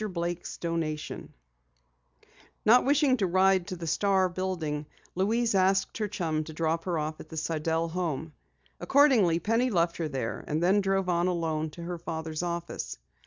BLAKE'S DONATION_ Not wishing to ride to the Star building, Louise asked her chum to drop her off at the Sidell home. Accordingly, Penny left her there, and then drove on alone to her father's office.